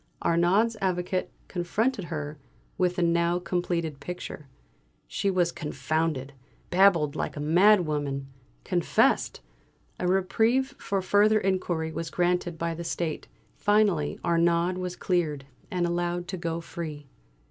Arnaud's Avocat confronted her with the now completed picture. She was confounded babbled like a mad woman confessed! A reprieve for further inquiry was granted by the State. Finally Arnaud was cleared, and allowed to go free.